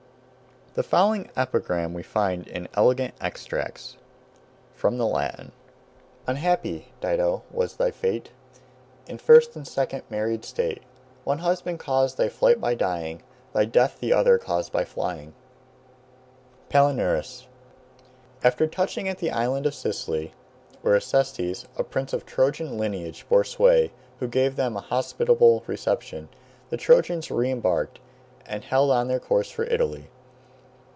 The following epigram we find in "Elegant Extracts": FROM THE LATIN "Unhappy, Dido, was thy fate In first and second married state! One husband caused thy flight by dying, Thy death the other caused by flying" PALINURUS After touching at the island of Sicily, where Acestes, a prince of Trojan lineage, bore sway, who gave them a hospitable reception, the Trojans re embarked, and held on their course for Italy.